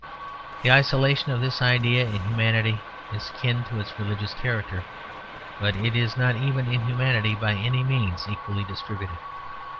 The isolation of this idea in humanity is akin to its religious character; but it is not even in humanity by any means equally distributed.